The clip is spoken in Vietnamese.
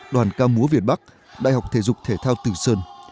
đoàn ca múa việt bắc đại học thể dục thể thao tử sơn